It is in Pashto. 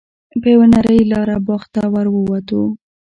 په یوه نرۍ لاره باغ ته ور ووتو.